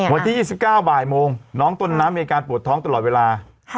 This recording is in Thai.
วันที่๒๙บ่ายโมงน้องต้นน้ำมีอาการปวดท้องตลอดเวลา